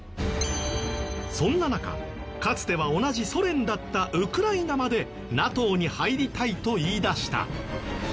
そんな中かつては同じソ連だったウクライナまでＮＡＴＯに入りたいと言い出した。